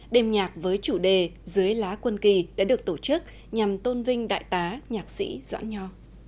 đêm nhạc với chủ đề dưới lá quân kỳ đã được tổ chức nhằm tôn vinh đại tá nhạc sĩ doãn nho